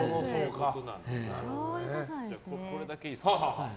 じゃあ、これだけいいですか。